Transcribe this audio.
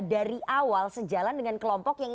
dari awal sejalan dengan kelompok yang